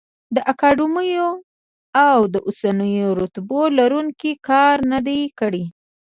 د اکاډمیو د اوسنیو رتبو لروونکي کار نه دی کړی.